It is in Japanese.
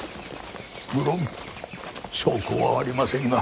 無論証拠はありませんが。